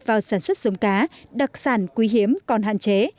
vào sản xuất giống cá đặc sản quý hiếm còn hạn chế